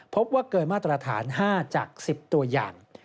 พบว่าเกินมาตรฐาน๕จาก๑๐ตัวอย่าง